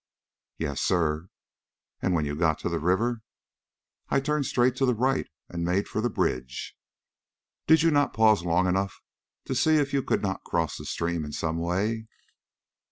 "Yes, sir." "And when you got to the river?" "I turned straight to the right and made for the bridge." "Did you not pause long enough to see if you could not cross the stream in some way?"